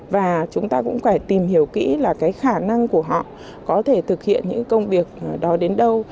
và chúng ta cũng phải tìm hiểu kỹ là cái khả năng của họ có thể thực hiện những công việc đó đến đâu